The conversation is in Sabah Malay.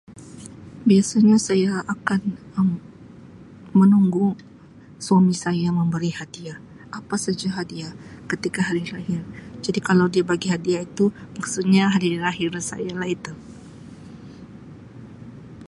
Biasanya saya akan Um menunggu suami saya memberi hadiah apa saja hadiah ketika hari lahir jadi kalau dia bagi hadiah tu maksudnya hari lahir saya lah itu.